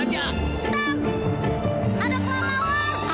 tang ada kelalauan